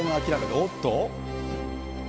おっと。